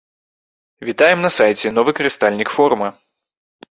Вітаем на сайце, новы карыстальнік форума!